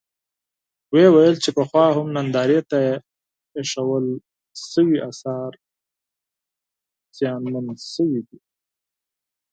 وویل چې پخوا هم نندارې ته اېښودل شوي اثار زیانمن شوي دي.